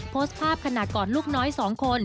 โพสต์ภาพขณะก่อนลูกน้อย๒คน